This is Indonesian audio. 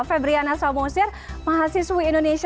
febriana somosir mahasiswi indonesia